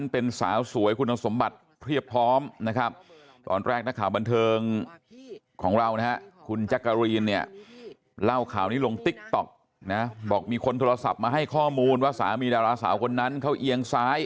เราก็เลยตัดสายไปเลยแล้วก็บล็อกเลยไม่คุยเลย